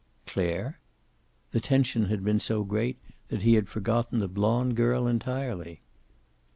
"Clare?" The tension had been so great that he had forgotten the blonde girl entirely.